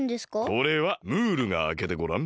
これはムールがあけてごらん。